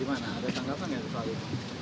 gimana ada tanggapan yang terpalu